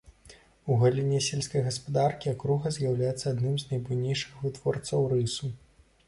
У галіне сельскай гаспадаркі акруга з'яўляецца адным з найбуйнейшых вытворцаў рысу.